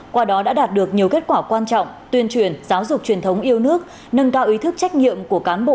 qua đó đã đạt được nhiều kết quả quan trọng tuyên truyền giáo dục truyền thống yêu nước nâng cao ý thức trách nhiệm của cán bộ